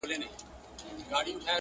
د زمان بلال به کله، کله ږغ کي٫